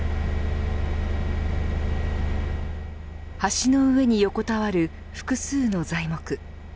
橋の上に横たわる複数の材木。